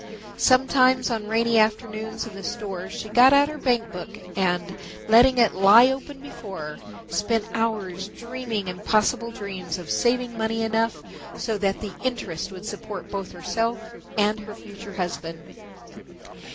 Sometimes on rainy afternoons in the store she got out her bank book and, letting it lie open before her, spent hours dreaming impossible dreams of saving money enough so that the interest would support both herself and her future husband.